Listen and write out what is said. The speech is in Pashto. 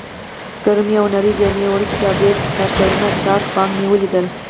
ګرمې او نرۍ جامې، وړوکی ټابلیټ، چارجرونه، چارج بانک مې ولیدل.